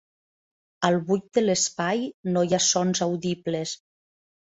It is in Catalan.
Al buid de l'espai no hi ha sons audibles.